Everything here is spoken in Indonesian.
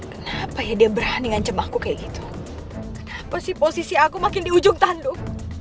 kenapa ya dia berani ngancem aku kayak gitu pasti posisi aku makin di ujung tanduk